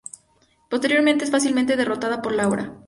Posteriormente es fácilmente derrotada por Laura.